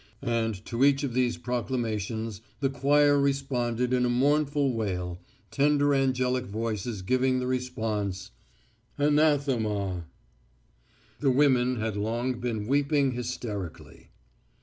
And to each of these proclamations the choir responded in a mournful wail, tender angelic voices giving the response, "Anathema." The women had long been weeping hysterically.